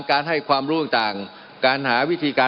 มันมีมาต่อเนื่องมีเหตุการณ์ที่ไม่เคยเกิดขึ้น